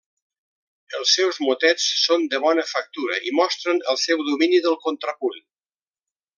Els seus motets són de bona factura i mostren el seu domini del contrapunt.